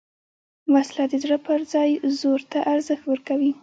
وسله د زړه پر ځای زور ته ارزښت ورکوي